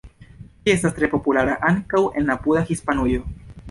Ĝi estas tre populara ankaŭ en apuda Hispanujo.